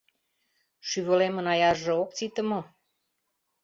Шӱвылемын аярже ок сите мо?